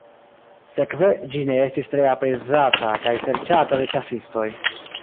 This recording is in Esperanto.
Sekve ĝi ne estis tre aprezata kaj serĉata de ĉasistoj.